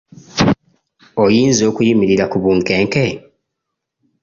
Oyinza okuyimirira ku bunkenke?